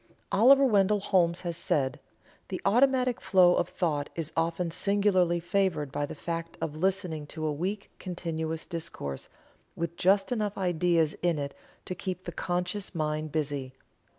Oliver Wendell Holmes has said: "The automatic flow of thought is often singularly favored by the fact of listening to a weak continuous discourse, with just enough ideas in it to keep the (conscious) mind busy.